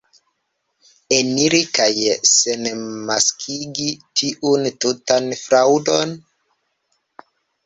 Eniri kaj senmaskigi tiun tutan fraŭdon?